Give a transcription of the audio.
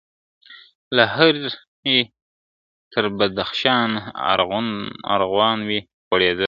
له هري تر بدخشانه ارغوان وي غوړېدلی !.